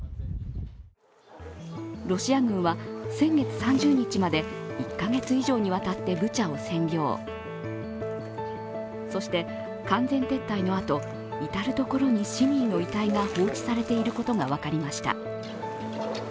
ロシア軍は、先月３０日まで１カ月以上にわたってブチャを占領そして完全撤退のあと、至るところに市民の遺体が放置されていることが分かりました。